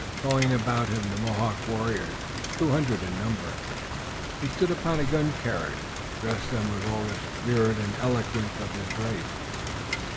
Calling about him the Mohawk warriors, two hundred in number, he stood upon a gun carriage and addressed them with all the spirit and eloquence of his race.